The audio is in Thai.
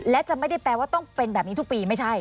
และจะไม่ได้แปลว่าต้องเป็นแบบนี้ทุกปีไม่ใช่